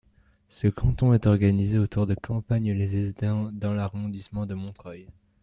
Ce canton est organisé autour de Campagne-lès-Hesdin dans l'arrondissement de Montreuil.